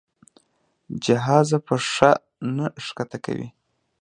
جهازه پښه نه ښکته کوي.